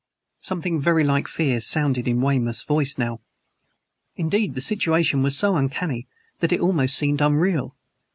Something very like fear sounded in Weymouth's voice now. Indeed, the situation was so uncanny that it almost seemed unreal.